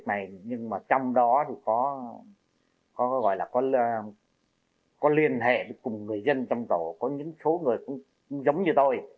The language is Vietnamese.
nhưng trong đó có liên hệ cùng người dân trong tổ có những số người cũng giống như tôi